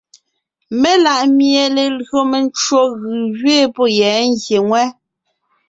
Mela ʼmie lelÿò mencwò gʉ̀ gẅiin pɔ́ yɛ́ ngyè ŋwɛ́.